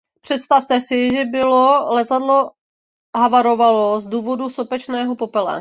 Představte si, že by letadlo havarovalo z důvodu sopečného popele.